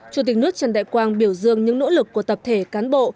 chủ tịch nước trần đại quang biểu dương những nỗ lực của tập thể cán bộ